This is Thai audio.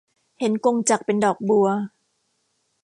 เห็นกงจักรเป็นดอกบัว